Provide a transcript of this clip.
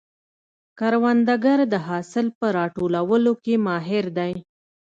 کروندګر د حاصل په راټولولو کې ماهر دی